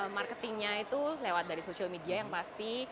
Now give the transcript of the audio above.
marketingnya itu lewat dari social media yang pasti